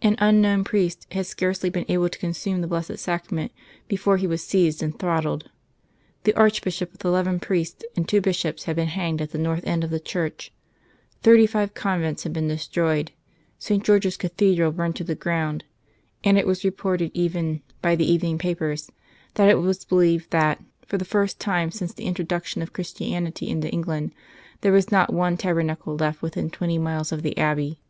An unknown priest had scarcely been able to consume the Blessed Sacrament before he was seized and throttled; the Archbishop with eleven priests and two bishops had been hanged at the north end of the church, thirty five convents had been destroyed, St. George's Cathedral burned to the ground; and it was reported even, by the evening papers, that it was believed that, for the first time since the introduction of Christianity into England, there was not one Tabernacle left within twenty miles of the Abbey.